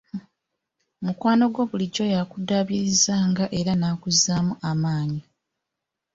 Mukwano gwo bulijjo yakuddaabirizanga era nakuzzaamu amaanyi.